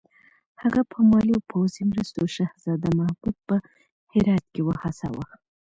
هغه په مالي او پوځي مرستو شهزاده محمود په هرات کې وهڅاوه.